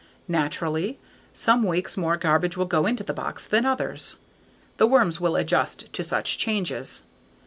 Naturally, some weeks more garbage will go into the box than others. The worms will adjust to such changes.